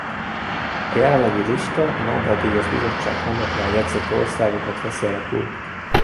A jelenlegi lista a Nobel-díjas bizottság honlapján jegyzett országokat veszi alapul.